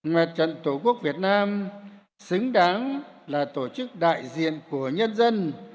mặt trận tổ quốc việt nam xứng đáng là tổ chức đại diện của nhân dân